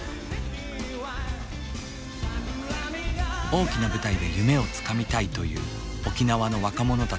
大きな舞台で夢をつかみたいという沖縄の若者たちの激しい情熱。